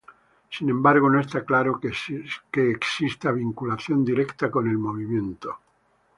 Sin embargo, no está claro que exista vinculación directa con el movimiento.